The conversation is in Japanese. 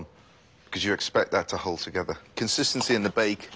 はい。